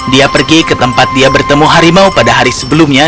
dia pergi ke tempat dia bertemu harimau pada hari sebelumnya